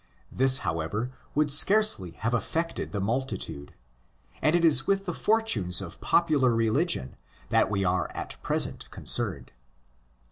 This, however, would scarcely have affected the multitude; and it is with the fortunes of popular religion that we are at present concerned.